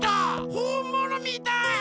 ほんものみたい！